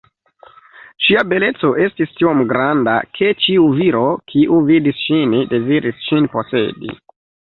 Ŝia beleco estis tiom granda, ke ĉiu viro, kiu vidis ŝin, deziris ŝin posedi.